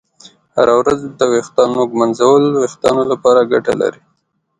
هره ورځ د ویښتانو ږمنځول د ویښتانو لپاره ګټه لري.